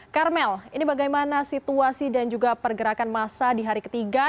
karmel ini bagaimana situasi dan juga pergerakan masa di hari ketiga